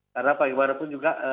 karena apapun juga